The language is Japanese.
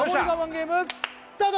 ゲームスタート！